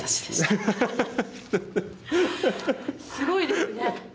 すごいですね！